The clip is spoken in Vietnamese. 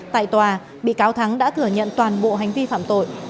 tại tòa bị cáo thắng đã thừa nhận toàn bộ hành vi phạm tội